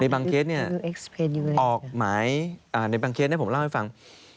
ในบางเคสเนี่ยออกหมายในบางเคสเนี่ยผมเล่าให้ฟัง